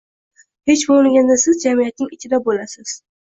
Hech boʻlmaganda siz jamiyatning ichida boʻlasiz.